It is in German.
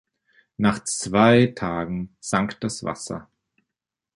Nach zwei Tagen sank das Wasser.